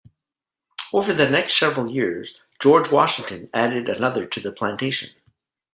Over the next several years, George Washington added another to the plantation.